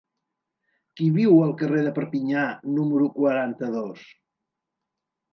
Qui viu al carrer de Perpinyà número quaranta-dos?